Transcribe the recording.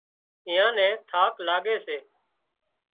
ايئان نين ٿاڪ لاڳي سي